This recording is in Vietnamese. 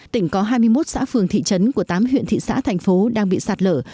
tỉnh có hai mươi một xã phường thị trấn của tám huyện thị xã thành phố đang bị sạt lở